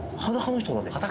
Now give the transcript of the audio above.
裸？